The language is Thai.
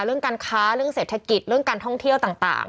เรื่องการค้าเรื่องเศรษฐกิจเรื่องการท่องเที่ยวต่าง